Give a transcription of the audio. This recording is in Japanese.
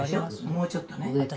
もうちょっとね」